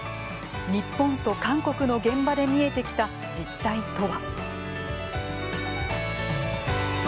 日本と韓国の現場で見えてきた実態とは。